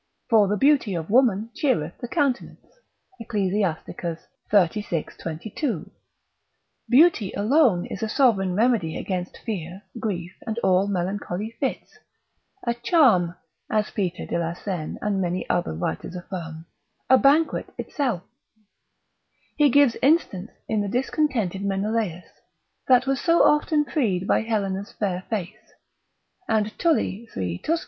For the beauty of a woman cheereth the countenance, Ecclus. xxxvi. 22. Beauty alone is a sovereign remedy against fear, grief, and all melancholy fits; a charm, as Peter de la Seine and many other writers affirm, a banquet itself; he gives instance in discontented Menelaus, that was so often freed by Helena's fair face: and Tully, 3 Tusc.